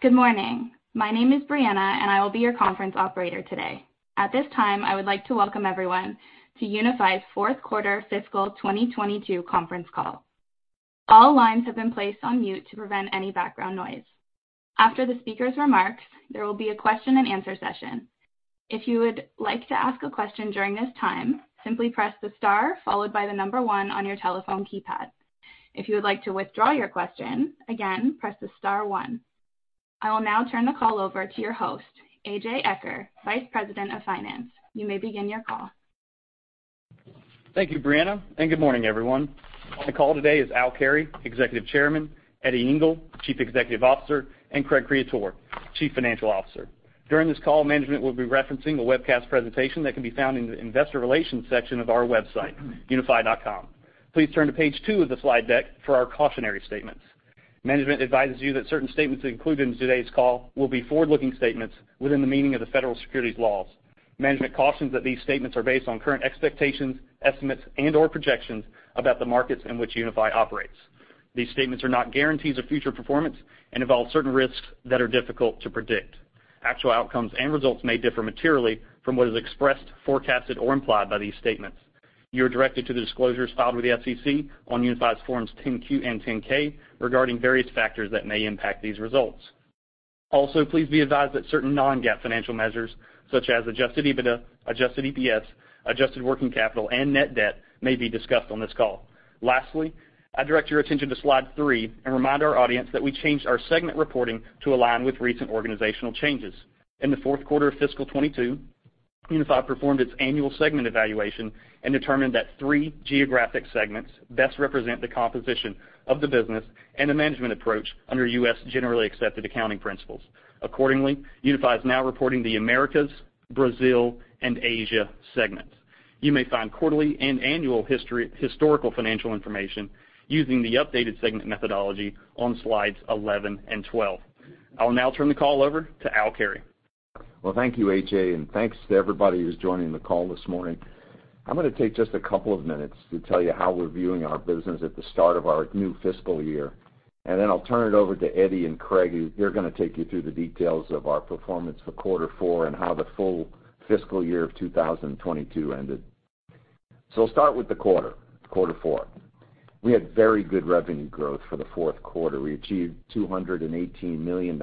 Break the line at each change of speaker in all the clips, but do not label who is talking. Good morning. My name is Brianna, and I will be your conference operator today. At this time, I would like to welcome everyone to Unifi's fourth quarter fiscal 2022 conference call. All lines have been placed on mute to prevent any background noise. After the speaker's remarks, there will be a question-and-answer session. If you would like to ask a question during this time, simply press the star followed by the number one on your telephone keypad. If you would like to withdraw your question, again, press the star one. I will now turn the call over to your host, A.J. Eaker, Vice President of Finance. You may begin your call.
Thank you, Brianna, and good morning, everyone. On the call today is Al Carey, Executive Chairman, Eddie Ingle, Chief Executive Officer, and Craig Creaturo, Chief Financial Officer. During this call, management will be referencing a webcast presentation that can be found in the Investor Relations section of our website, unifi.com. Please turn to page two of the slide deck for our cautionary statements. Management advises you that certain statements included in today's call will be forward-looking statements within the meaning of the federal securities laws. Management cautions that these statements are based on current expectations, estimates, and/or projections about the markets in which Unifi operates. These statements are not guarantees of future performance and involve certain risks that are difficult to predict. Actual outcomes and results may differ materially from what is expressed, forecasted, or implied by these statements. You are directed to the disclosures filed with the SEC on Unifi's Forms 10-Q and 10-K regarding various factors that may impact these results. Also, please be advised that certain non-GAAP financial measures, such as adjusted EBITDA, adjusted EPS, adjusted working capital, and net debt may be discussed on this call. Lastly, I direct your attention to slide three and remind our audience that we changed our segment reporting to align with recent organizational changes. In the fourth quarter of fiscal 2022, Unifi performed its annual segment evaluation and determined that three geographic segments best represent the composition of the business and the management approach under U.S. generally accepted accounting principles. Accordingly, Unifi is now reporting the Americas, Brazil, and Asia segments. You may find quarterly and annual historical financial information using the updated segment methodology on slides 11 and 12. I will now turn the call over to Al Carey.
Well, thank you, A.J., and thanks to everybody who's joining the call this morning. I'm gonna take just a couple of minutes to tell you how we're viewing our business at the start of our new fiscal year, and then I'll turn it over to Eddie and Craig, who are gonna take you through the details of our performance for quarter four and how the full fiscal year of 2022 ended. I'll start with the quarter four. We had very good revenue growth for the fourth quarter. We achieved $218 million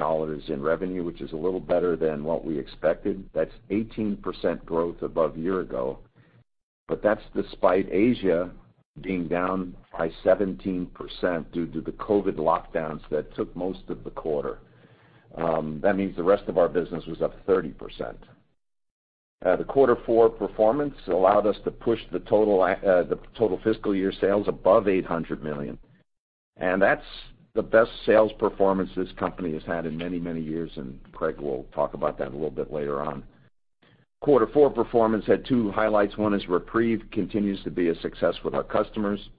in revenue, which is a little better than what we expected. That's 18% growth above year-ago, but that's despite Asia being down by 17% due to the COVID lockdowns that took most of the quarter. That means the rest of our business was up 30%. The quarter four performance allowed us to push the total fiscal year sales above $800 million. That's the best sales performance this company has had in many, many years, and Craig will talk about that a little bit later on. Quarter four performance had two highlights. One is REPREVE continues to be a success with our customers,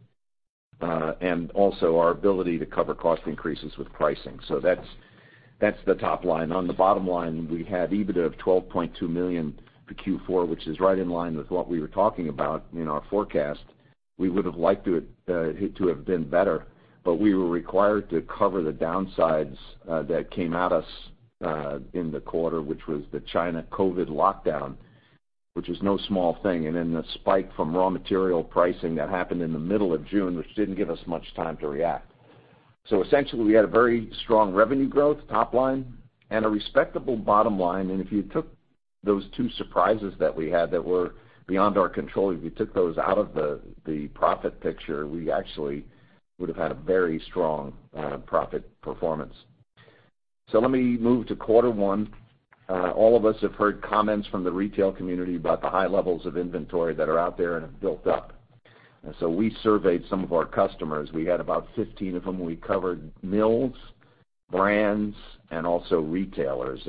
and also our ability to cover cost increases with pricing. That's the top line. On the bottom line, we had EBITDA of $12.2 million for Q4, which is right in line with what we were talking about in our forecast. We would have liked it to have been better, but we were required to cover the downsides that came at us in the quarter, which was the China COVID lockdown, which is no small thing, and then the spike from raw material pricing that happened in the middle of June, which didn't give us much time to react. Essentially, we had a very strong revenue growth top line and a respectable bottom line. If you took those two surprises that we had that were beyond our control, if you took those out of the profit picture, we actually would have had a very strong profit performance. Let me move to quarter one. All of us have heard comments from the retail community about the high levels of inventory that are out there and have built up. We surveyed some of our customers. We had about 15 of them. We covered mills, brands, and also retailers.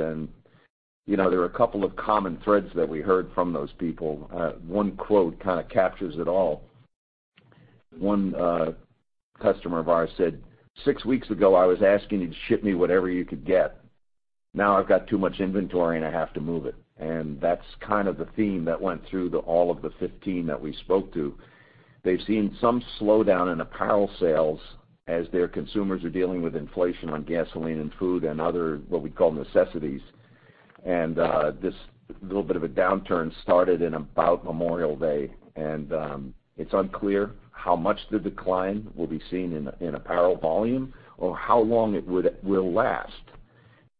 You know, there are a couple of common threads that we heard from those people. One quote kinda captures it all. One customer of ours said, "Six weeks ago, I was asking you to ship me whatever you could get. Now I've got too much inventory and I have to move it." That's kind of the theme that went through all of the 15 that we spoke to. They've seen some slowdown in apparel sales as their consumers are dealing with inflation on gasoline and food and other, what we call necessities. This little bit of a downturn started in about Memorial Day, and it's unclear how much the decline will be seen in apparel volume or how long it will last.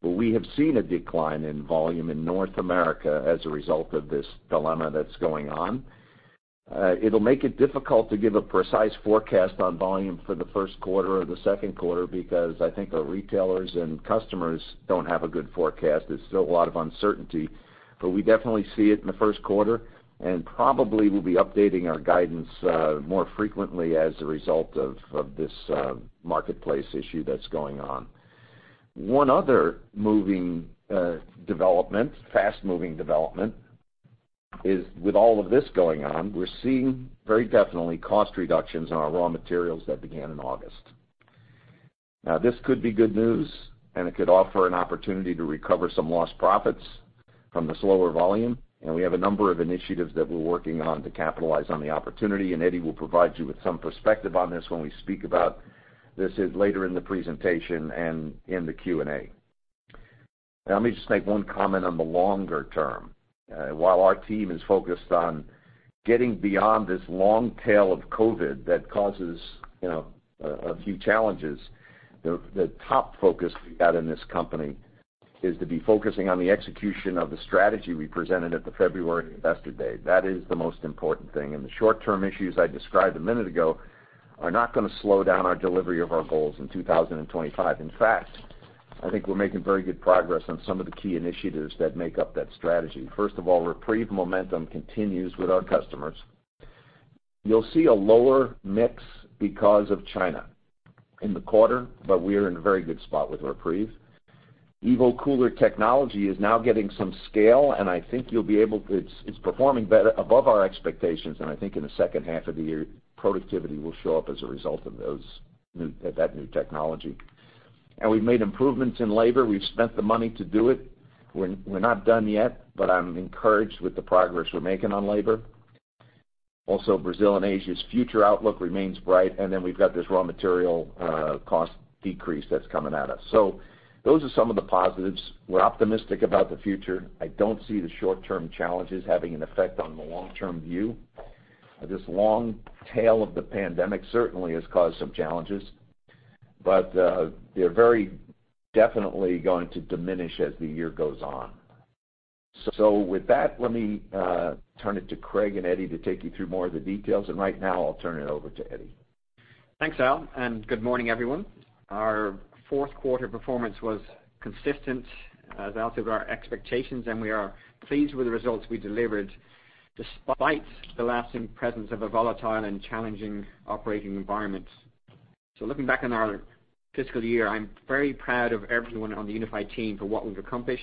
We have seen a decline in volume in North America as a result of this dilemma that's going on. It'll make it difficult to give a precise forecast on volume for the first quarter or the second quarter because I think our retailers and customers don't have a good forecast. There's still a lot of uncertainty, but we definitely see it in the first quarter, and probably we'll be updating our guidance more frequently as a result of this marketplace issue that's going on. One other moving, development, fast-moving development is with all of this going on, we're seeing very definitely cost reductions in our raw materials that began in August. Now, this could be good news, and it could offer an opportunity to recover some lost profits. From the slower volume, and we have a number of initiatives that we're working on to capitalize on the opportunity, and Eddie will provide you with some perspective on this when we speak about this later in the presentation and in the Q&A. Now, let me just make one comment on the longer term. While our team is focused on getting beyond this long tail of COVID that causes, you know, a few challenges, the top focus we've got in this company is to be focusing on the execution of the strategy we presented at the February Investor Day. That is the most important thing. The short-term issues I described a minute ago are not gonna slow down our delivery of our goals in 2025. In fact, I think we're making very good progress on some of the key initiatives that make up that strategy. First of all, REPREVE momentum continues with our customers. You'll see a lower mix because of China in the quarter, but we are in a very good spot with REPREVE. EvoCooler technology is now getting some scale, and I think it's performing better, above our expectations, and I think in the second half of the year, productivity will show up as a result of that new technology. We've made improvements in labor. We've spent the money to do it. We're not done yet, but I'm encouraged with the progress we're making on labor. Also, Brazil and Asia's future outlook remains bright, and then we've got this raw material cost decrease that's coming at us. Those are some of the positives. We're optimistic about the future. I don't see the short-term challenges having an effect on the long-term view. This long tail of the pandemic certainly has caused some challenges, but they're very definitely going to diminish as the year goes on. With that, let me turn it to Craig and Eddie to take you through more of the details. Right now, I'll turn it over to Eddie.
Thanks, Al, and good morning, everyone. Our fourth quarter performance was consistent, as Al said, with our expectations, and we are pleased with the results we delivered despite the lasting presence of a volatile and challenging operating environment. Looking back on our fiscal year, I'm very proud of everyone on the Unifi team for what we've accomplished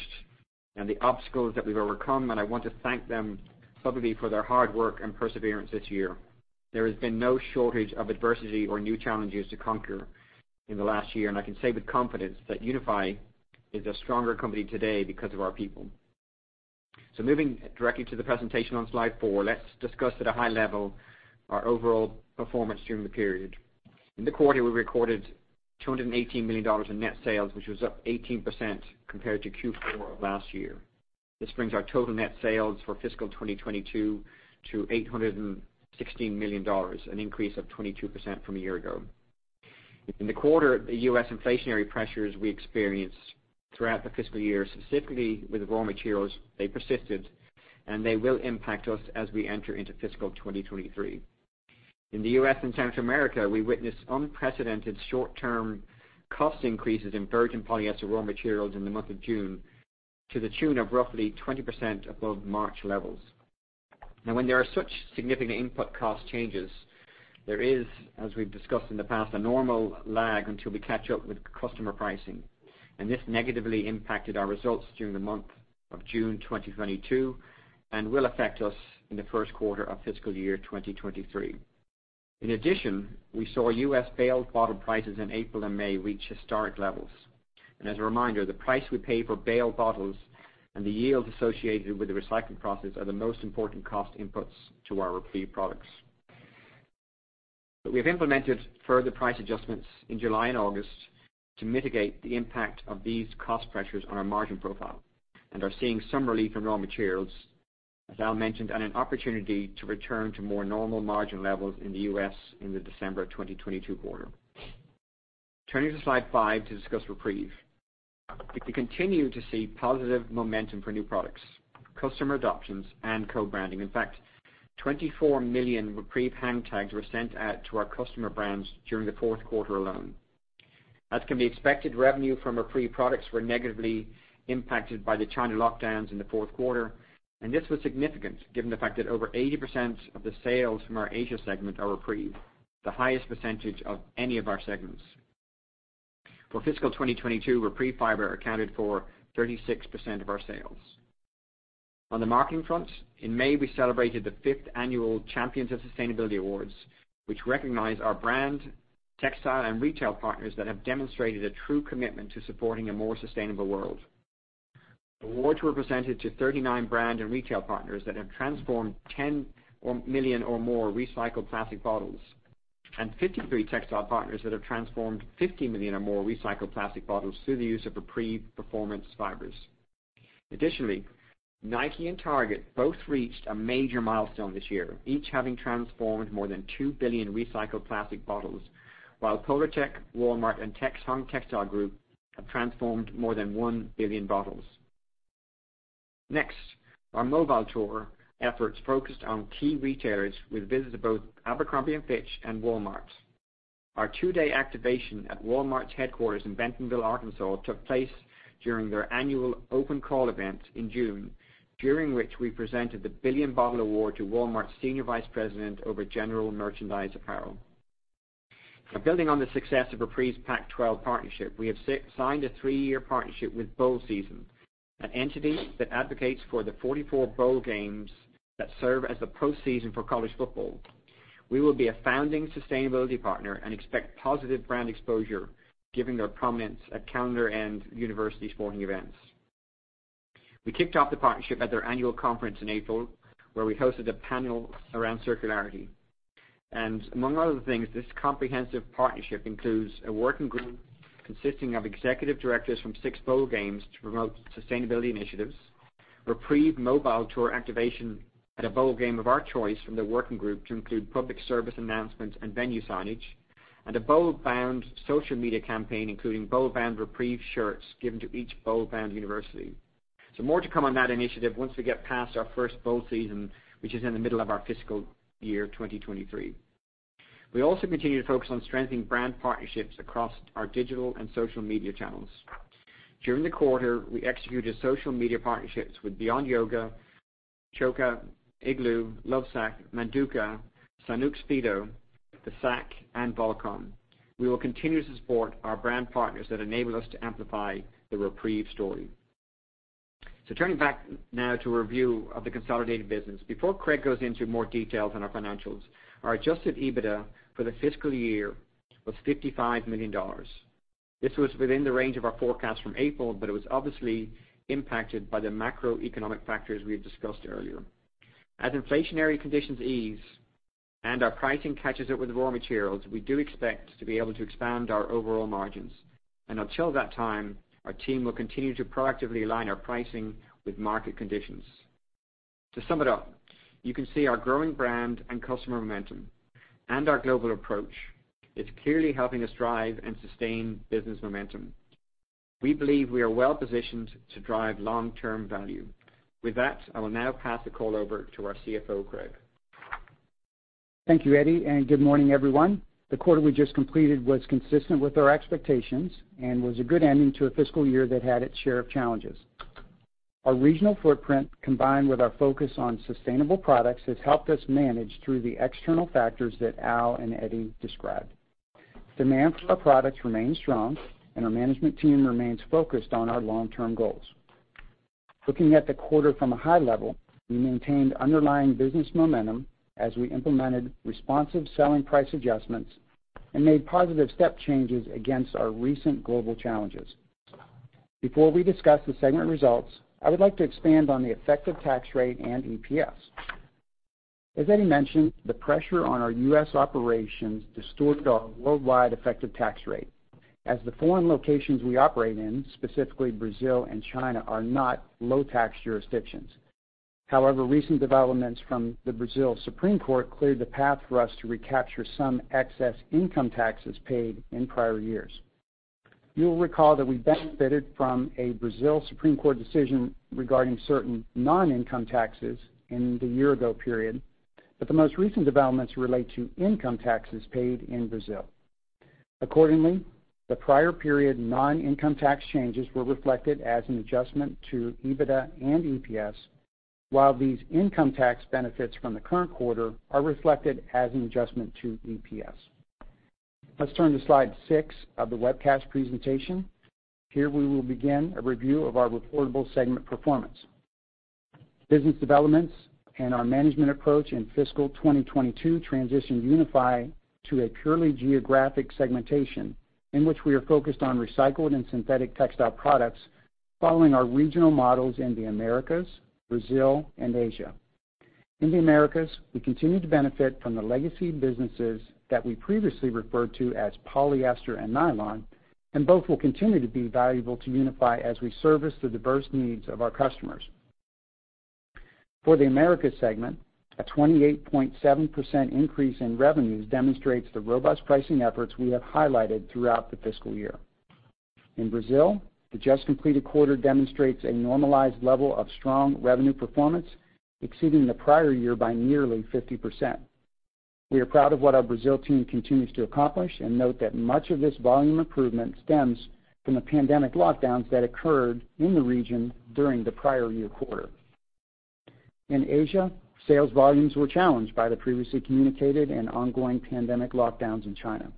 and the obstacles that we've overcome, and I want to thank them publicly for their hard work and perseverance this year. There has been no shortage of adversity or new challenges to conquer in the last year, and I can say with confidence that Unifi is a stronger company today because of our people. Moving directly to the presentation on slide four, let's discuss at a high level our overall performance during the period. In the quarter, we recorded $218 million in net sales, which was up 18% compared to Q4 of last year. This brings our total net sales for fiscal 2022 to $816 million, an increase of 22% from a year ago. In the quarter, the U.S. inflationary pressures we experienced throughout the fiscal year, specifically with raw materials, they persisted, and they will impact us as we enter into fiscal 2023. In the U.S. and Central America, we witnessed unprecedented short-term cost increases in virgin polyester raw materials in the month of June to the tune of roughly 20% above March levels. Now, when there are such significant input cost changes, there is, as we've discussed in the past, a normal lag until we catch up with customer pricing, and this negatively impacted our results during the month of June 2022 and will affect us in the first quarter of fiscal year 2023. In addition, we saw U.S. baled bottle prices in April and May reach historic levels. As a reminder, the price we pay for baled bottles and the yields associated with the recycling process are the most important cost inputs to our REPREVE products. We have implemented further price adjustments in July and August to mitigate the impact of these cost pressures on our margin profile and are seeing some relief in raw materials, as Al mentioned, and an opportunity to return to more normal margin levels in the U.S. in the December 2022 quarter. Turning to slide five to discuss REPREVE. We continue to see positive momentum for new products, customer adoptions, and co-branding. In fact, 24 million REPREVE hang tags were sent out to our customer brands during the fourth quarter alone. As can be expected, revenue from REPREVE products were negatively impacted by the China lockdowns in the fourth quarter, and this was significant given the fact that over 80% of the sales from our Asia segment are REPREVE, the highest percentage of any of our segments. For fiscal 2022, REPREVE Fiber accounted for 36% of our sales. On the marketing front, in May, we celebrated the 5th annual REPREVE Champions of Sustainability Awards, which recognize our brand, textile, and retail partners that have demonstrated a true commitment to supporting a more sustainable world. Awards were presented to 39 brand and retail partners that have transformed 10 million or more recycled plastic bottles, and 53 textile partners that have transformed 50 million or more recycled plastic bottles through the use of REPREVE performance fibers. Additionally, Nike and Target both reached a major milestone this year, each having transformed more than 2 billion recycled plastic bottles, while Polartec, Walmart, and Texhong Textile Group have transformed more than 1 billion bottles. Next, our mobile tour efforts focused on key retailers with visits to both Abercrombie & Fitch and Walmart. Our two-day activation at Walmart's headquarters in Bentonville, Arkansas, took place during their annual Open Call event in June, during which we presented the Billion Bottle Award to Walmart's senior vice president over general merchandise apparel. Now building on the success of REPREVE's Pac-12 partnership, we have signed a three-year partnership with Bowl Season, an entity that advocates for the 44 bowl games that serve as the postseason for college football. We will be a founding sustainability partner and expect positive brand exposure given their prominence at calendar and university sporting events. We kicked off the partnership at their annual conference in April, where we hosted a panel around circularity. Among other things, this comprehensive partnership includes a working group consisting of executive directors from six Bowl games to promote sustainability initiatives, REPREVE Mobile Tour activation at a Bowl game of our choice from the working group to include public service announcements and venue signage, and a Bowl Bound social media campaign, including Bowl Bound REPREVE shirts given to each Bowl Bound university. More to come on that initiative once we get past our first Bowl Season, which is in the middle of our fiscal year 2023. We also continue to focus on strengthening brand partnerships across our digital and social media channels. During the quarter, we executed social media partnerships with Beyond Yoga, Chaco, Igloo, Lovesac, Manduka, Sanuk/Speedo, The Sak, and Volcom. We will continue to support our brand partners that enable us to amplify the REPREVE story. Turning back now to a review of the consolidated business. Before Craig goes into more details on our financials, our adjusted EBITDA for the fiscal year was $55 million. This was within the range of our forecast from April, but it was obviously impacted by the macroeconomic factors we had discussed earlier. As inflationary conditions ease and our pricing catches up with raw materials, we do expect to be able to expand our overall margins, and until that time, our team will continue to proactively align our pricing with market conditions. To sum it up, you can see our growing brand and customer momentum and our global approach. It's clearly helping us drive and sustain business momentum. We believe we are well-positioned to drive long-term value. With that, I will now pass the call over to our CFO, Craig.
Thank you, Eddie, and good morning, everyone. The quarter we just completed was consistent with our expectations and was a good ending to a fiscal year that had its share of challenges. Our regional footprint, combined with our focus on sustainable products, has helped us manage through the external factors that Al and Eddie described. Demand for our products remains strong, and our management team remains focused on our long-term goals. Looking at the quarter from a high level, we maintained underlying business momentum as we implemented responsive selling price adjustments and made positive step changes against our recent global challenges. Before we discuss the segment results, I would like to expand on the effective tax rate and EPS. As Eddie mentioned, the pressure on our U.S. operations distorted our worldwide effective tax rate as the foreign locations we operate in, specifically Brazil and China, are not low tax jurisdictions. However, recent developments from the Supreme Federal Court cleared the path for us to recapture some excess income taxes paid in prior years. You'll recall that we benefited from a Supreme Federal Court decision regarding certain non-income taxes in the year-ago period, but the most recent developments relate to income taxes paid in Brazil. Accordingly, the prior period non-income tax changes were reflected as an adjustment to EBITDA and EPS, while these income tax benefits from the current quarter are reflected as an adjustment to EPS. Let's turn to slide 6 of the webcast presentation. Here, we will begin a review of our reportable segment performance. Business developments and our management approach in fiscal 2022 transitioned Unifi to a purely geographic segmentation in which we are focused on recycled and synthetic textile products, following our regional models in the Americas, Brazil, and Asia. In the Americas, we continue to benefit from the legacy businesses that we previously referred to as polyester and nylon, and both will continue to be valuable to Unifi as we service the diverse needs of our customers. For the Americas segment, a 28.7% increase in revenues demonstrates the robust pricing efforts we have highlighted throughout the fiscal year. In Brazil, the just completed quarter demonstrates a normalized level of strong revenue performance, exceeding the prior year by nearly 50%. We are proud of what our Brazil team continues to accomplish and note that much of this volume improvement stems from the pandemic lockdowns that occurred in the region during the prior year quarter. In Asia, sales volumes were challenged by the previously communicated and ongoing pandemic lockdowns in China.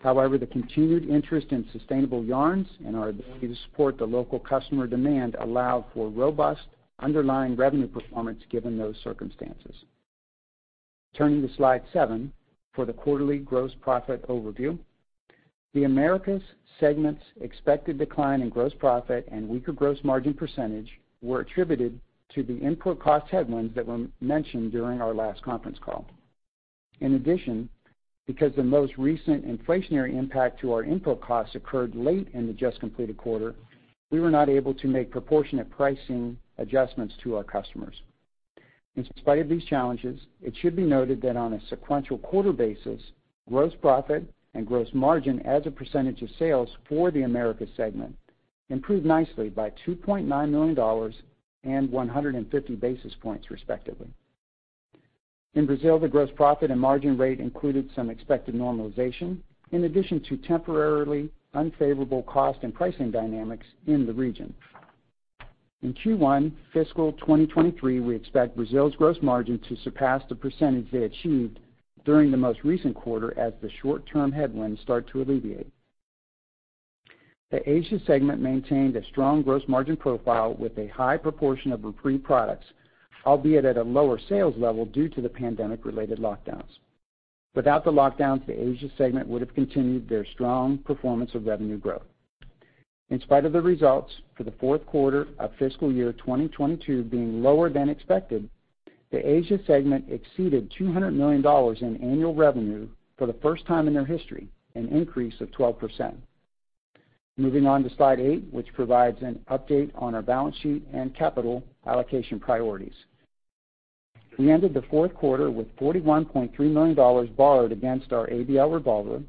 However, the continued interest in sustainable yarns and our ability to support the local customer demand allowed for robust underlying revenue performance given those circumstances. Turning to slide seven for the quarterly gross profit overview. The Americas segment's expected decline in gross profit and weaker gross margin percentage were attributed to the input cost headwinds that were mentioned during our last conference call. In addition, because the most recent inflationary impact to our input costs occurred late in the just completed quarter, we were not able to make proportionate pricing adjustments to our customers. In spite of these challenges, it should be noted that on a sequential quarter basis, gross profit and gross margin as a percentage of sales for the Americas segment improved nicely by $2.9 million and 150 basis points, respectively. In Brazil, the gross profit and margin rate included some expected normalization in addition to temporarily unfavorable cost and pricing dynamics in the region. In Q1 fiscal 2023, we expect Brazil's gross margin to surpass the percentage they achieved during the most recent quarter as the short-term headwinds start to alleviate. The Asia segment maintained a strong gross margin profile with a high proportion of REPREVE products, albeit at a lower sales level due to the pandemic-related lockdowns. Without the lockdowns, the Asia segment would have continued their strong performance of revenue growth. In spite of the results for the fourth quarter of fiscal year 2022 being lower than expected, the Asia segment exceeded $200 million in annual revenue for the first time in their history, an increase of 12%. Moving on to slide eight, which provides an update on our balance sheet and capital allocation priorities. We ended the fourth quarter with $41.3 million borrowed against our ABL revolver,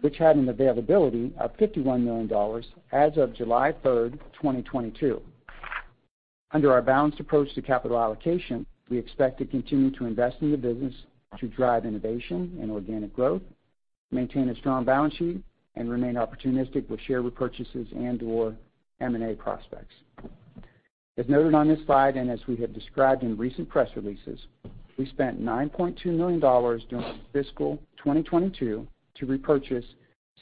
which had an availability of $51 million as of July 3rd, 2022. Under our balanced approach to capital allocation, we expect to continue to invest in the business to drive innovation and organic growth, maintain a strong balance sheet, and remain opportunistic with share repurchases and/or M&A prospects. As noted on this slide, and as we have described in recent press releases, we spent $9.2 million during fiscal 2022 to repurchase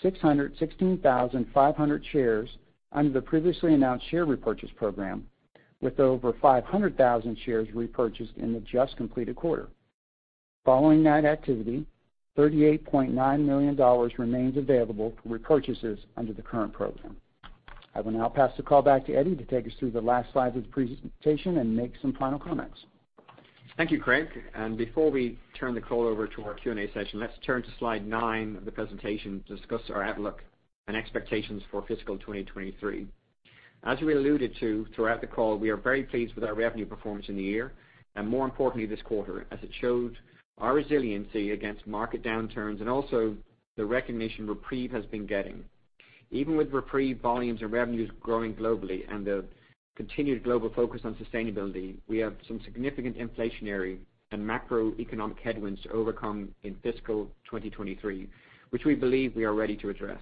616,500 shares under the previously announced share repurchase program, with over 500,000 shares repurchased in the just completed quarter. Following that activity, $38.9 million remains available for repurchases under the current program. I will now pass the call back to Eddie to take us through the last slide of the presentation and make some final comments.
Thank you, Craig. Before we turn the call over to our Q&A session, let's turn to slide nine of the presentation to discuss our outlook and expectations for fiscal 2023. As we alluded to throughout the call, we are very pleased with our revenue performance in the year and more importantly, this quarter, as it shows our resiliency against market downturns and also the recognition REPREVE has been getting. Even with REPREVE volumes and revenues growing globally and the continued global focus on sustainability, we have some significant inflationary and macroeconomic headwinds to overcome in fiscal 2023, which we believe we are ready to address.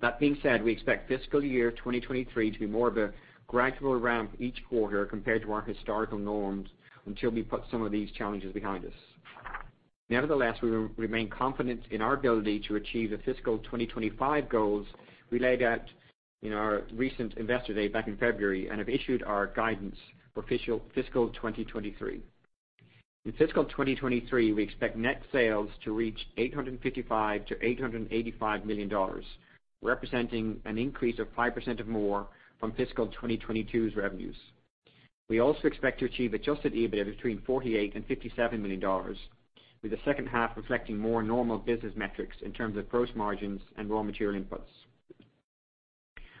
That being said, we expect fiscal year 2023 to be more of a gradual ramp each quarter compared to our historical norms until we put some of these challenges behind us. Nevertheless, we remain confident in our ability to achieve the fiscal 2025 goals we laid out in our recent Investor Day back in February and have issued our guidance for fiscal 2023. In fiscal 2023, we expect net sales to reach $855 million-$885 million, representing an increase of 5% or more from fiscal 2022's revenues. We also expect to achieve adjusted EBIT of between $48 million and $57 million, with the second half reflecting more normal business metrics in terms of gross margins and raw material inputs.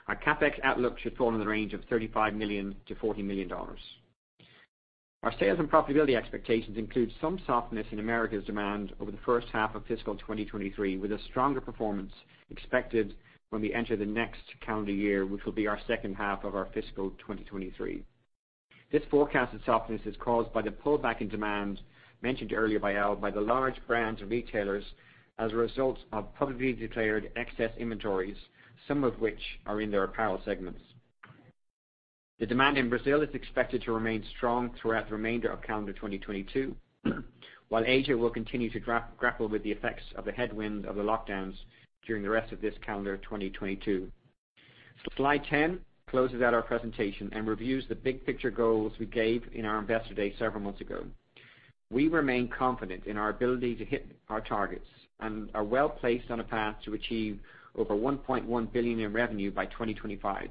Our CapEx outlook should fall in the range of $35 million-$40 million. Our sales and profitability expectations include some softness in Americas' demand over the first half of fiscal 2023, with a stronger performance expected when we enter the next calendar year, which will be our second half of our fiscal 2023. This forecasted softness is caused by the pullback in demand mentioned earlier by Al, by the large brands and retailers as a result of publicly declared excess inventories, some of which are in their apparel segments. The demand in Brazil is expected to remain strong throughout the remainder of calendar 2022, while Asia will continue to grapple with the effects of the headwind of the lockdowns during the rest of this calendar 2022. Slide 10 closes out our presentation and reviews the big picture goals we gave in our Investor Day several months ago. We remain confident in our ability to hit our targets and are well-placed on a path to achieve over $1.1 billion in revenue by 2025.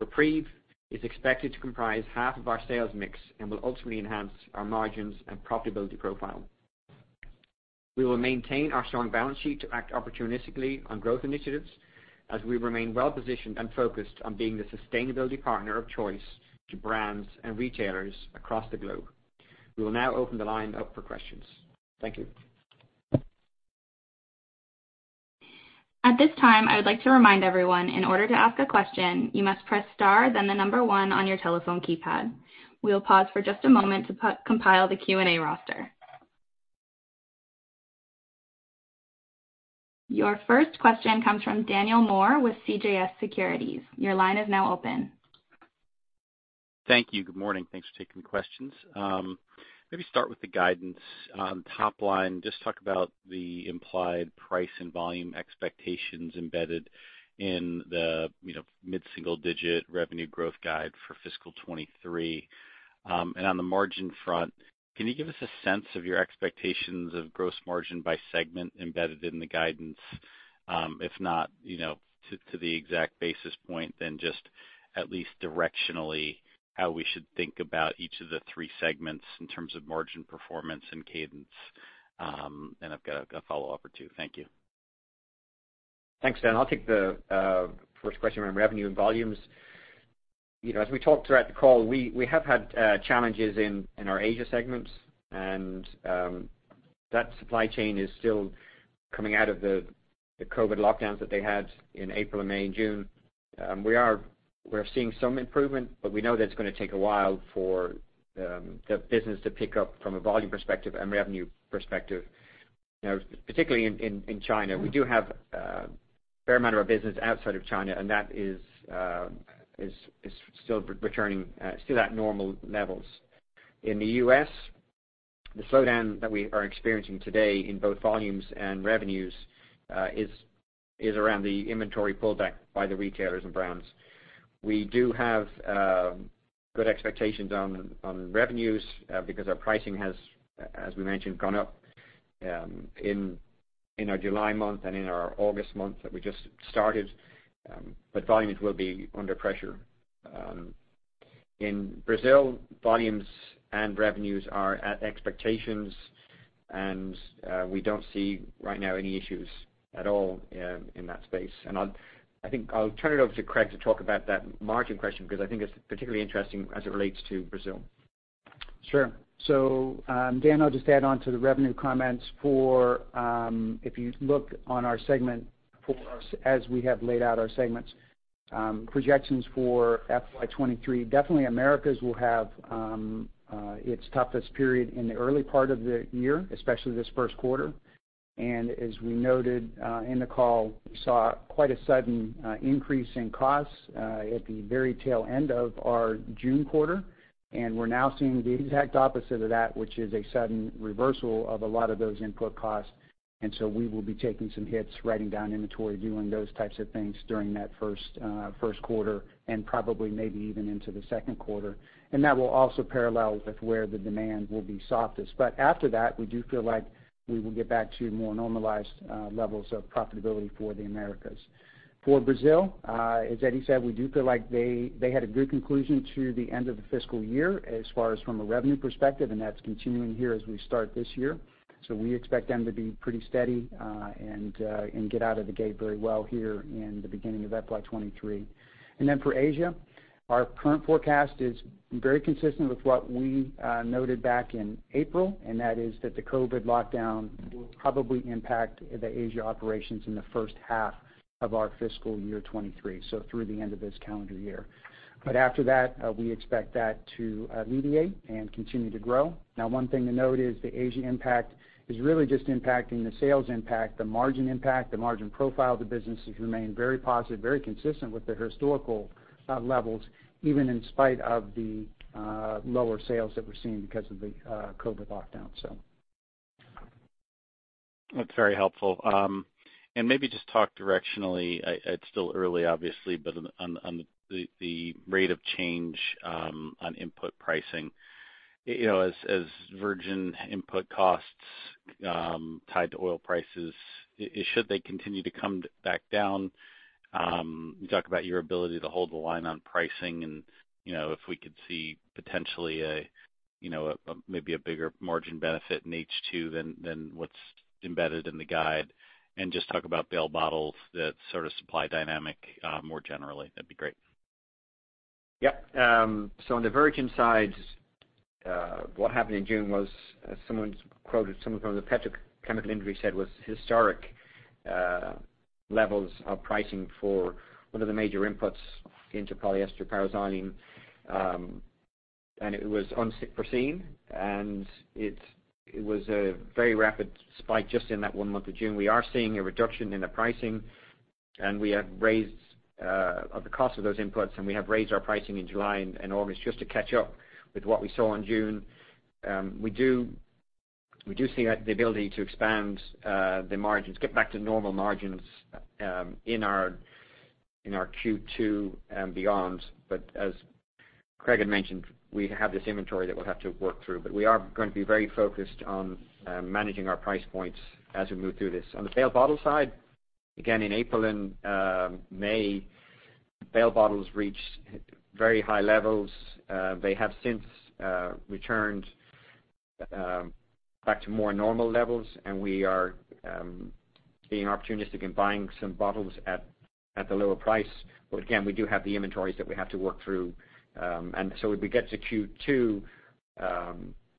REPREVE is expected to comprise half of our sales mix and will ultimately enhance our margins and profitability profile. We will maintain our strong balance sheet to act opportunistically on growth initiatives as we remain well positioned and focused on being the sustainability partner of choice to brands and retailers across the globe. We will now open the line up for questions. Thank you.
At this time, I would like to remind everyone, in order to ask a question, you must press star, then the number one on your telephone keypad. We'll pause for just a moment to compile the Q&A roster. Your first question comes from Daniel Moore with CJS Securities. Your line is now open.
Thank you. Good morning. Thanks for taking the questions. Maybe start with the guidance on top line. Just talk about the implied price and volume expectations embedded in the, you know, mid-single digit revenue growth guide for fiscal 2023. On the margin front, can you give us a sense of your expectations of gross margin by segment embedded in the guidance? If not, you know, to the exact basis point, then just at least directionally, how we should think about each of the three segments in terms of margin performance and cadence. I've got a follow-up or two. Thank you.
Thanks, Dan. I'll take the first question around revenue and volumes. You know, as we talked throughout the call, we have had challenges in our Asia segments. That supply chain is still coming out of the COVID lockdowns that they had in April, May and June. We're seeing some improvement, but we know that it's gonna take a while for the business to pick up from a volume perspective and revenue perspective. You know, particularly in China. We do have a fair amount of our business outside of China, and that is still returning, still at normal levels. In the U.S., the slowdown that we are experiencing today in both volumes and revenues is It's around the inventory pullback by the retailers and brands. We do have good expectations on revenues because our pricing has, as we mentioned, gone up in our July month and in our August month that we just started, but volumes will be under pressure. In Brazil, volumes and revenues are at expectations, and we don't see right now any issues at all in that space. I think I'll turn it over to Craig to talk about that margin question because I think it's particularly interesting as it relates to Brazil.
Sure. Dan, I'll just add on to the revenue comments. If you look at our segments as we have laid out, projections for FY 2023, definitely Americas will have its toughest period in the early part of the year, especially this first quarter. As we noted in the call, we saw quite a sudden increase in costs at the very tail end of our June quarter. We're now seeing the exact opposite of that, which is a sudden reversal of a lot of those input costs. We will be taking some hits, writing down inventory, doing those types of things during that first quarter and probably maybe even into the second quarter. That will also parallel with where the demand will be softest. After that, we do feel like we will get back to more normalized levels of profitability for the Americas. For Brazil, as Eddie said, we do feel like they had a good conclusion to the end of the fiscal year as far as from a revenue perspective, and that's continuing here as we start this year. We expect them to be pretty steady and get out of the gate very well here in the beginning of FY 2023. Then for Asia, our current forecast is very consistent with what we noted back in April, and that is that the COVID lockdown will probably impact the Asia operations in the first half of our fiscal year 2023, so through the end of this calendar year. After that, we expect that to alleviate and continue to grow. Now one thing to note is the Asia impact is really just impacting the sales impact, the margin impact, the margin profile of the business has remained very positive, very consistent with the historical levels, even in spite of the lower sales that we're seeing because of the COVID lockdown.
That's very helpful. Maybe just talk directionally, it's still early obviously, but on the rate of change on input pricing. You know, as virgin input costs tied to oil prices should they continue to come back down, you talk about your ability to hold the line on pricing and, you know, if we could see potentially a you know maybe a bigger margin benefit in H2 than what's embedded in the guide. Just talk about baled bottles, that sort of supply dynamic more generally, that'd be great.
Yep. On the virgin side, what happened in June was someone from the petrochemical industry said was historic levels of pricing for one of the major inputs into polyester paraxylene, and it was unforeseen, and it was a very rapid spike just in that one month of June. We are seeing a reduction in the pricing, and we have raised the cost of those inputs, and we have raised our pricing in July and August just to catch up with what we saw in June. We do see the ability to expand the margins, get back to normal margins, in our Q2 and beyond. As Craig had mentioned, we have this inventory that we'll have to work through. We are going to be very focused on managing our price points as we move through this. On the baled bottle side, again, in April and May, baled bottles reached very high levels. They have since returned back to more normal levels, and we are being opportunistic in buying some bottles at the lower price. Again, we do have the inventories that we have to work through. As we get to Q2,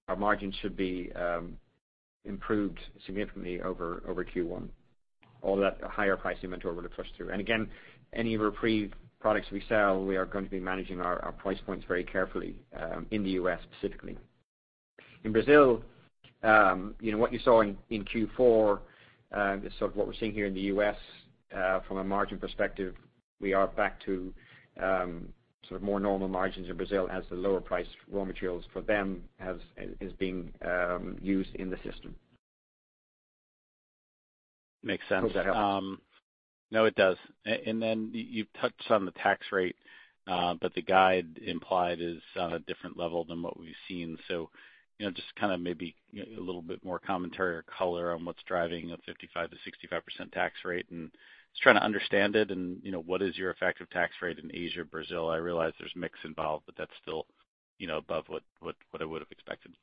our margins should be improved significantly over Q1. All that higher price inventory will push through. Again, any REPREVE products we sell, we are going to be managing our price points very carefully in the U.S. specifically. In Brazil, you know, what you saw in Q4 is sort of what we're seeing here in the U.S. from a margin perspective. We are back to sort of more normal margins in Brazil as the lower price raw materials for them is being used in the system.
Makes sense.
Hope that helps.
No, it does. Then you've touched on the tax rate, but the guide implied is on a different level than what we've seen. You know, just kind of maybe a little bit more commentary or color on what's driving a 55%-65% tax rate, and just trying to understand it and, you know, what is your effective tax rate in Asia, Brazil? I realize there's mix involved, but that's still, you know, above what I would have expected.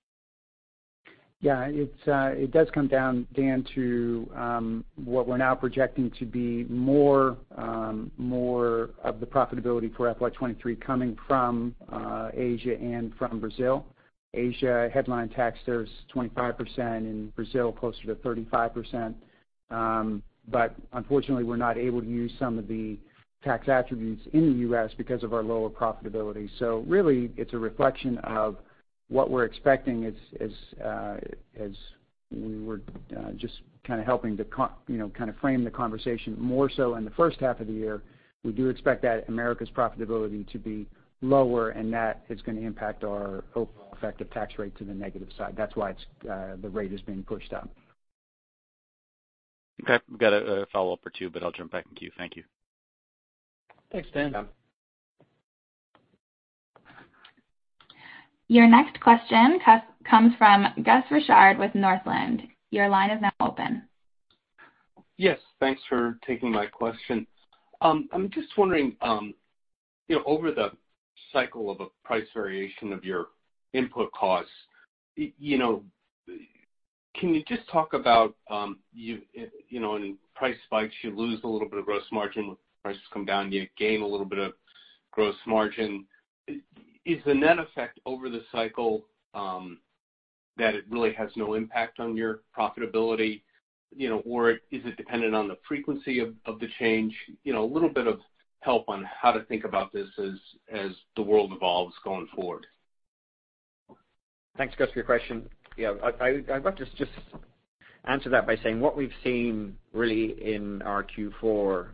Yeah. It does come down, Dan, to what we're now projecting to be more of the profitability for FY 2023 coming from Asia and from Brazil. Asia, headline tax there is 25%, and Brazil closer to 35%. Unfortunately, we're not able to use some of the tax attributes in the U.S. because of our lower profitability. Really, it's a reflection of what we're expecting as we were just kind of helping you know, kind of frame the conversation more so in the first half of the year. We do expect that Americas' profitability to be lower, and that is gonna impact our overall effective tax rate to the negative side. That's why it's the rate is being pushed up.
Okay. I've got a follow-up for two, but I'll jump back in queue. Thank you.
Thanks, Dan.
Your next question comes from Gus Richard with Northland. Your line is now open.
Yes. Thanks for taking my question. I'm just wondering, you know, over the cycle of a price variation of your input costs, you know, can you just talk about, you know, in price spikes, you lose a little bit of gross margin. When prices come down, you gain a little bit of gross margin. Is the net effect over the cycle, that it really has no impact on your profitability? You know, or is it dependent on the frequency of the change? You know, a little bit of help on how to think about this as the world evolves going forward.
Thanks, Gus, for your question. Yeah. I'd like to just answer that by saying what we've seen really in our Q4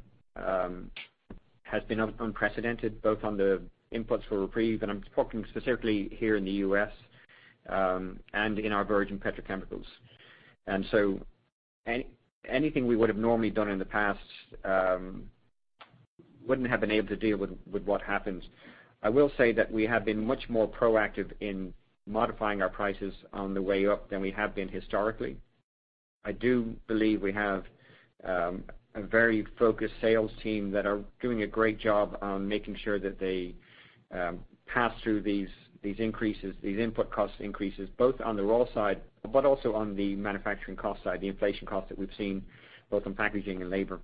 has been unprecedented, both on the inputs for REPREVE, and I'm talking specifically here in the U.S., and in our virgin petrochemicals. Anything we would have normally done in the past wouldn't have been able to deal with what happens. I will say that we have been much more proactive in modifying our prices on the way up than we have been historically. I do believe we have a very focused sales team that are doing a great job on making sure that they pass through these increases, these input cost increases, both on the raw side, but also on the manufacturing cost side, the inflation cost that we've seen both in packaging and labor.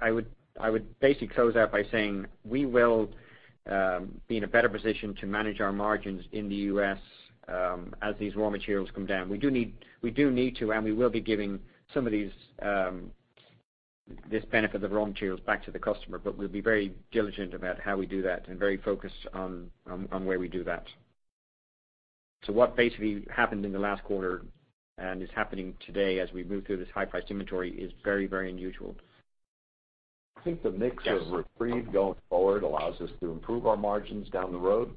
I would basically close out by saying we will be in a better position to manage our margins in the US as these raw materials come down. We do need to, and we will be giving some of these this benefit of the raw materials back to the customer, but we'll be very diligent about how we do that and very focused on where we do that. What basically happened in the last quarter and is happening today as we move through this high-priced inventory is very, very unusual.
I think the mix of REPREVE going forward allows us to improve our margins down the road.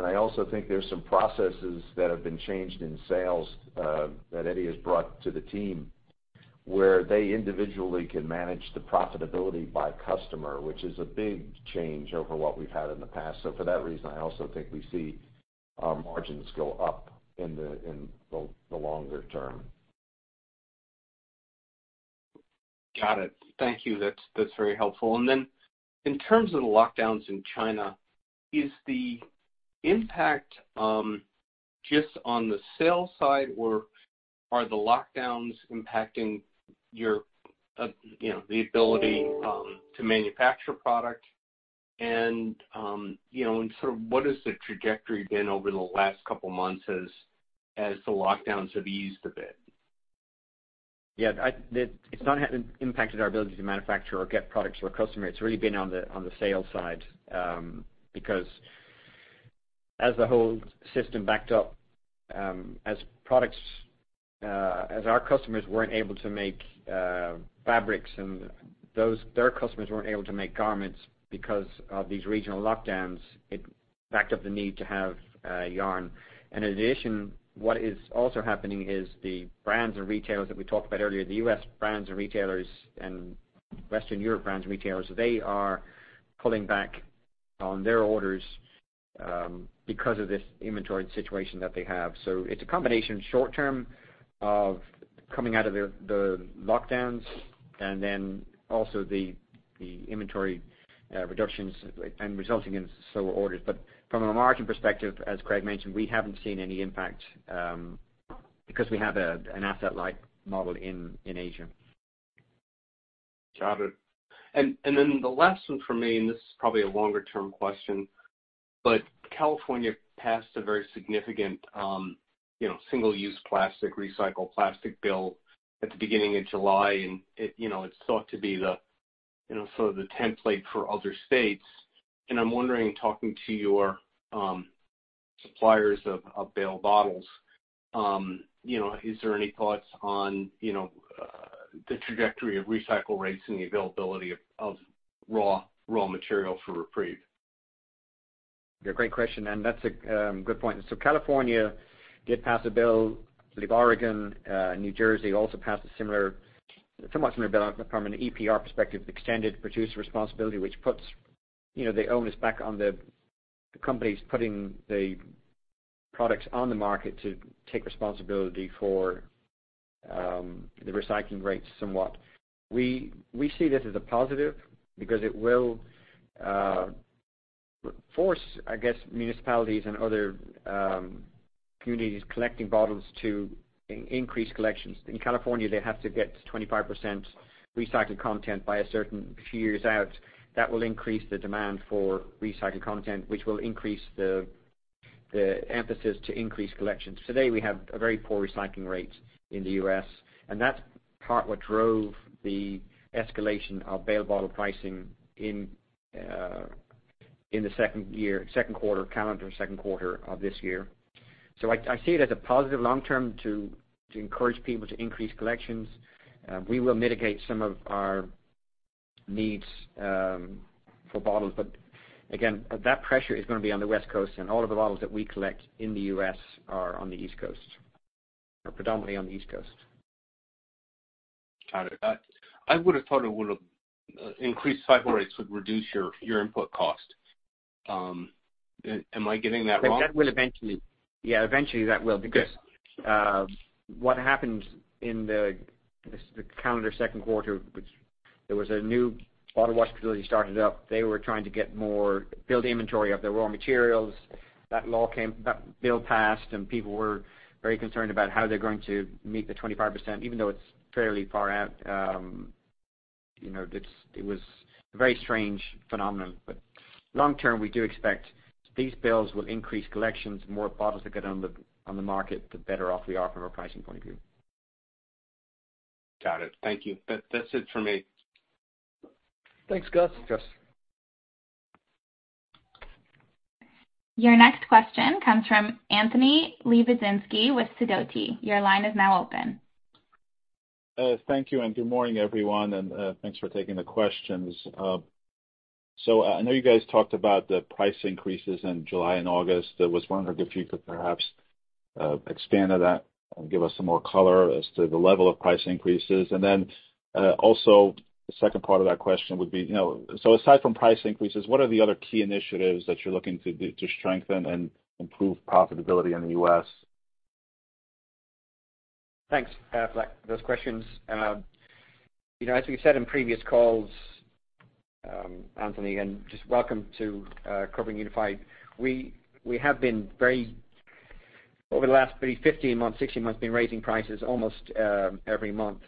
I also think there's some processes that have been changed in sales that Eddie has brought to the team, where they individually can manage the profitability by customer, which is a big change over what we've had in the past. For that reason, I also think we see our margins go up in the longer term.
Got it. Thank you. That's very helpful. Then in terms of the lockdowns in China, is the impact just on the sales side, or are the lockdowns impacting your you know the ability to manufacture product? You know and sort of what has the trajectory been over the last couple months as the lockdowns have eased a bit?
Yeah. It's not impacted our ability to manufacture or get products to our customer. It's really been on the sales side, because as the whole system backed up, as our customers weren't able to make fabrics and those, their customers weren't able to make garments because of these regional lockdowns, it backed up the need to have yarn. In addition, what is also happening is the brands and retailers that we talked about earlier, the US brands and retailers and Western Europe brands and retailers, they are pulling back on their orders, because of this inventory situation that they have. It's a combination short term of coming out of the lockdowns and then also the inventory reductions and resulting in slower orders. From a margin perspective, as Craig mentioned, we haven't seen any impact, because we have an asset-light model in Asia.
Got it. The last one from me, and this is probably a longer-term question, but California passed a very significant, you know, single-use plastic, recycled plastic bill at the beginning of July, and it, you know, it's thought to be the, you know, sort of the template for other states. I'm wondering, talking to your suppliers of bale bottles, you know, is there any thoughts on, you know, the trajectory of recycle rates and the availability of raw material for REPREVE?
Yeah, great question, and that's a good point. California did pass a bill. I believe Oregon, New Jersey also passed a similar bill from an EPR perspective, extended producer responsibility, which puts you know the onus back on the companies putting the products on the market to take responsibility for the recycling rates somewhat. We see this as a positive because it will force I guess municipalities and other communities collecting bottles to increase collections. In California, they have to get to 25% recycled content by a certain few years out. That will increase the demand for recycled content, which will increase the emphasis to increase collections. Today, we have a very poor recycling rate in the U.S., and that's part of what drove the escalation of bale bottle pricing in the second year, second quarter, calendar second quarter of this year. I see it as a positive long term to encourage people to increase collections. We will mitigate some of our needs for bottles. Again, that pressure is gonna be on the West Coast, and all of the bottles that we collect in the U.S. are on the East Coast, are predominantly on the East Coast.
Got it. I would have thought it would have increased cycle rates would reduce your input cost. Am I getting that wrong?
That will eventually. Yeah, eventually that will.
Good.
Because what happened in the calendar second quarter, which there was a new bottle wash facility started up. They were trying to build inventory of their raw materials. That bill passed, and people were very concerned about how they're going to meet the 25%, even though it's fairly far out. You know, it was a very strange phenomenon. Long term, we do expect these bills will increase collections. More bottles that get on the market, the better off we are from a pricing point of view.
Got it. Thank you. That's it for me.
Thanks, Gus.
Thanks.
Your next question comes from Anthony Lebiedzinski with Sidoti & Company. Your line is now open.
Thank you, and good morning, everyone, and thanks for taking the questions. I know you guys talked about the price increases in July and August. I was wondering if you could perhaps expand on that and give us some more color as to the level of price increases. Also the second part of that question would be, you know, so aside from price increases, what are the other key initiatives that you're looking to do to strengthen and improve profitability in the U.S.?
Thanks for those questions. You know, as we've said in previous calls, Anthony, and just welcome to covering Unifi. We have been very over the last maybe 15 months, 16 months, raising prices almost every month.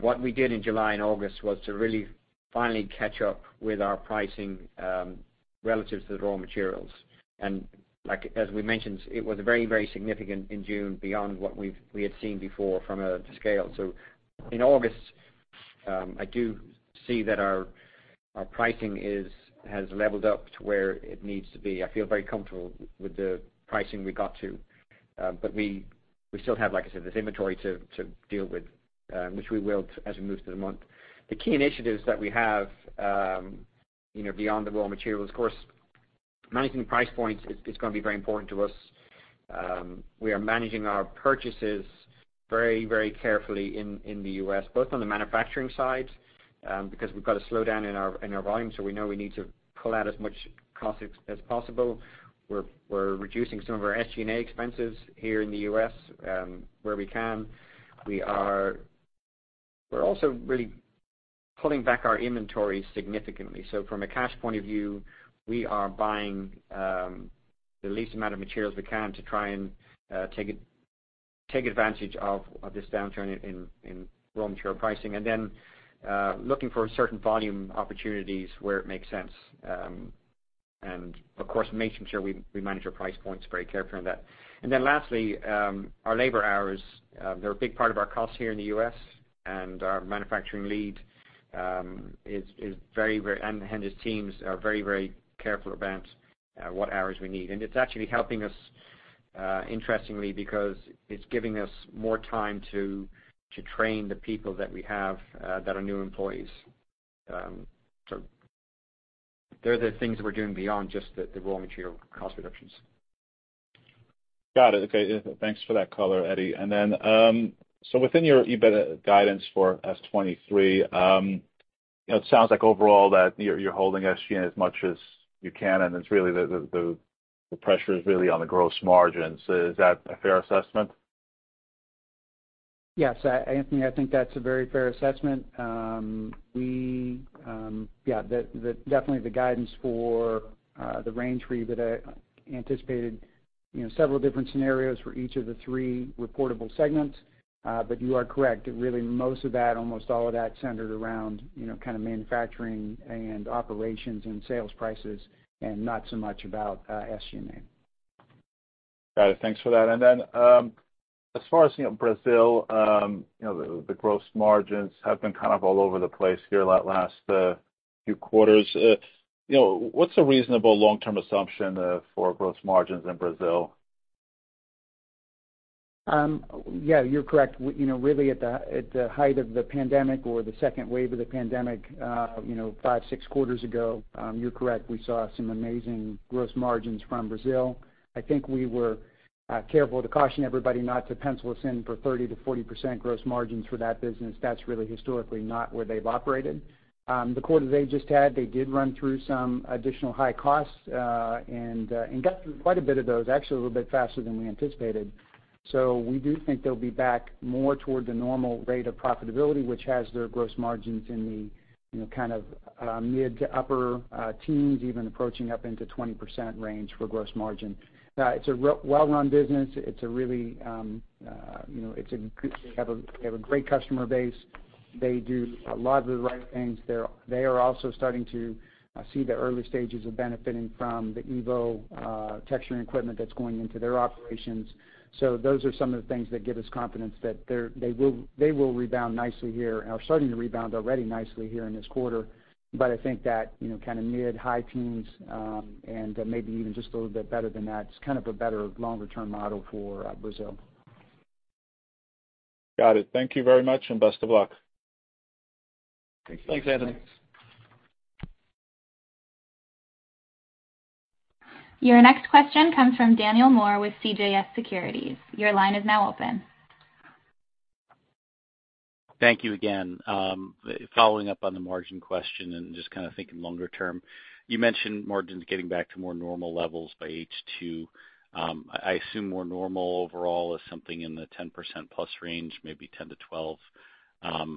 What we did in July and August was to really finally catch up with our pricing relative to the raw materials. Like, as we mentioned, it was very significant in June beyond what we had seen before from a scale. In August, I do see that our pricing has leveled up to where it needs to be. I feel very comfortable with the pricing we got to. We still have, like I said, this inventory to deal with, which we will as we move through the month. The key initiatives that we have, you know, beyond the raw materials, of course, managing price points is gonna be very important to us. We are managing our purchases very carefully in the U.S., both on the manufacturing side, because we've got a slowdown in our volume, so we know we need to pull out as much cost as possible. We're reducing some of our SG&A expenses here in the U.S., where we can. We're also really pulling back our inventory significantly. From a cash point of view, we are buying the least amount of materials we can to try and take advantage of this downturn in raw material pricing, and then looking for certain volume opportunities where it makes sense. Of course, making sure we manage our price points very carefully on that. Lastly, our labor hours, they're a big part of our cost here in the U.S., and our manufacturing lead is very careful about what hours we need. His teams are very careful about what hours we need. It's actually helping us, interestingly, because it's giving us more time to train the people that we have that are new employees. They're the things that we're doing beyond just the raw material cost reductions.
Got it. Okay. Yeah, thanks for that color, Eddie. Within your EBIT guidance for FY 2023, you know, it sounds like overall that you're holding SG&A as much as you can, and it's really the pressure is really on the gross margins. Is that a fair assessment?
Yes. Anthony, I think that's a very fair assessment. Definitely the guidance for the range for EBITDA anticipated, you know, several different scenarios for each of the three reportable segments. You are correct. Really most of that, almost all of that centered around, you know, kind of manufacturing and operations and sales prices and not so much about SG&A.
Got it. Thanks for that. As far as, you know, Brazil, you know, the gross margins have been kind of all over the place over the last few quarters. You know, what's a reasonable long-term assumption for gross margins in Brazil?
Yeah, you're correct. You know, really at the height of the pandemic or the second wave of the pandemic, you know, five, six quarters ago, you're correct, we saw some amazing gross margins from Brazil. I think we were careful to caution everybody not to pencil us in for 30%-40% gross margins for that business. That's really historically not where they've operated. The quarter they just had, they did run through some additional high costs, and got through quite a bit of those, actually a little bit faster than we anticipated. We do think they'll be back more toward the normal rate of profitability, which has their gross margins in the, you know, kind of, mid- to upper-teens, even approaching up into 20% range for gross margin. It's a well-run business. It's a really, you know, they have a great customer base. They do a lot of the right things. They are also starting to see the early stages of benefiting from the Evo texturing equipment that's going into their operations. Those are some of the things that give us confidence that they will rebound nicely here, are starting to rebound already nicely here in this quarter. I think that, you know, kinda mid, high teens, and maybe even just a little bit better than that is kind of a better longer-term model for Brazil.
Got it. Thank you very much, and best of luck.
Thanks.
Thanks, Anthony.
Your next question comes from Daniel Moore with CJS Securities. Your line is now open.
Thank you again. Following up on the margin question and just kinda thinking longer term. You mentioned margins getting back to more normal levels by H2. I assume more normal overall is something in the 10%+ range, maybe 10-12.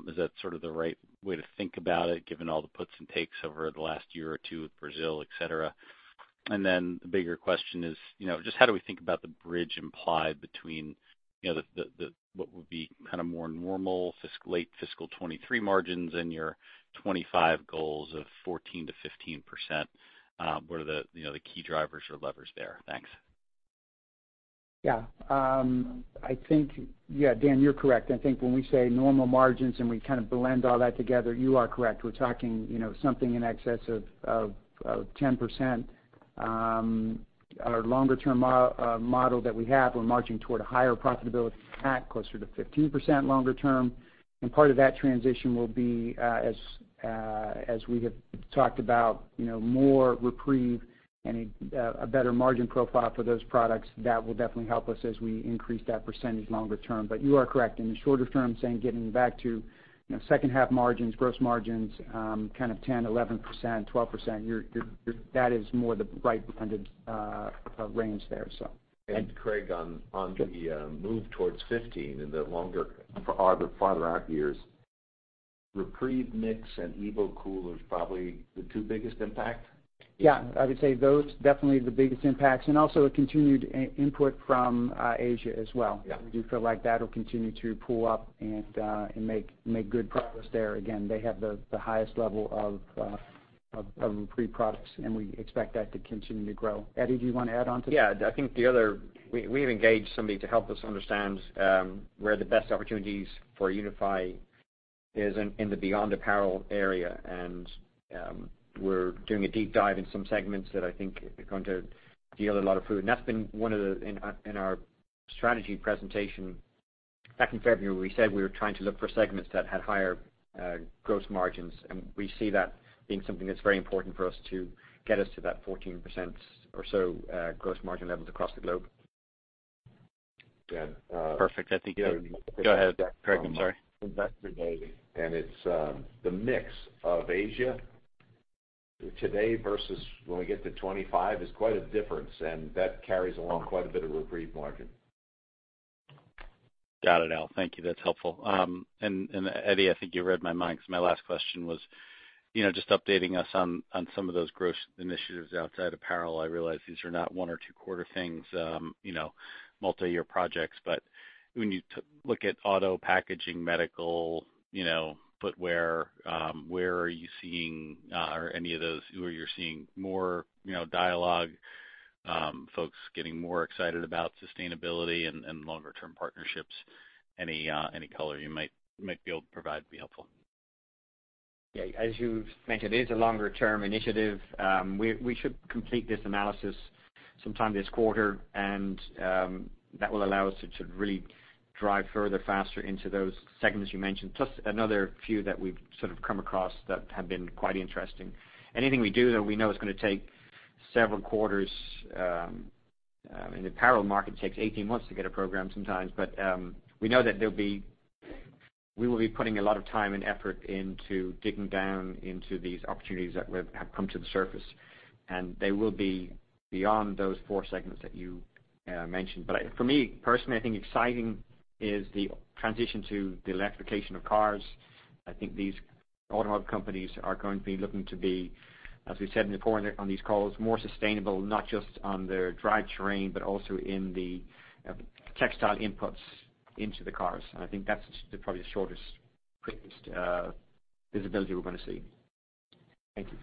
Is that sort of the right way to think about it, given all the puts and takes over the last year or two with Brazil, et cetera? Then the bigger question is, you know, just how do we think about the bridge implied between, you know, the what would be kinda more normal late fiscal 2023 margins and your 2025 goals of 14%-15%? What are the, you know, the key drivers or levers there? Thanks.
Yeah. I think. Yeah, Dan, you're correct. I think when we say normal margins, and we kind of blend all that together, you are correct. We're talking, you know, something in excess of ten percent. Our longer term model that we have, we're marching toward a higher profitability, in fact, closer to 15% longer term, and part of that transition will be, as we have talked about, you know, more REPREVE and a better margin profile for those products. That will definitely help us as we increase that percentage longer term. You are correct. In the shorter term, saying getting back to, you know, second half margins, gross margins, kind of 10, 11%, 12%, you're that is more the right kind of range there, so.
Craig, on to the move towards 15 in the longer or the farther out years, REPREVE mix and EvoCooler is probably the two biggest impact?
Yeah. I would say those definitely the biggest impacts and also a continued input from Asia as well.
Yeah.
We do feel like that'll continue to pull up and make good progress there. Again, they have the highest level of REPREVE products, and we expect that to continue to grow. Eddie, do you wanna add on to that?
Yeah. I think we have engaged somebody to help us understand where the best opportunities for Unifi is in the beyond apparel area. We're doing a deep dive in some segments that I think are going to yield a lot of fruit. In our strategy presentation back in February, we said we were trying to look for segments that had higher gross margins, and we see that being something that's very important for us to get us to that 14% or so gross margin levels across the globe.
Dan, Perfect.
Go ahead, Craig. I'm sorry.
Investor day, it's the mix of Asia today versus when we get to 2025 is quite a difference, and that carries along quite a bit of REPREVE margin.
Got it, Al. Thank you. That's helpful. Eddie, I think you read my mind 'cause my last question was, you know, just updating us on some of those growth initiatives outside apparel. I realize these are not one or two quarter things, you know, multiyear projects. When you look at auto, packaging, medical, you know, footwear, where are you seeing or any of those where you're seeing more, you know, dialogue, folks getting more excited about sustainability and longer term partnerships? Any color you might be able to provide would be helpful.
Yeah. As you've mentioned, it is a longer term initiative. We should complete this analysis sometime this quarter, and that will allow us to really drive further, faster into those segments you mentioned, plus another few that we've sort of come across that have been quite interesting. Anything we do, though, we know it's gonna take several quarters. I mean, the apparel market takes 18 months to get a program sometimes. We know that we will be putting a lot of time and effort into digging down into these opportunities that we have come to the surface, and they will be beyond those four segments that you mentioned. For me personally, I think exciting is the transition to the electrification of cars. I think these auto companies are going to be looking to be, as we said before on these calls, more sustainable, not just on their drive train, but also in the textile inputs into the cars. I think that's probably the shortest, quickest visibility we're gonna see. Thank you.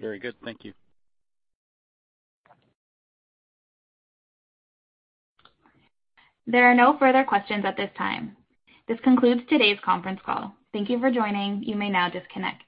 Very good. Thank you.
There are no further questions at this time. This concludes today's conference call. Thank you for joining. You may now disconnect.